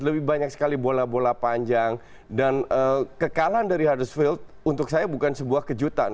lebih banyak sekali bola bola panjang dan kekalahan dari hardersfield untuk saya bukan sebuah kejutan